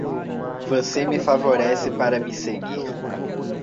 Você me favorece para me seguir.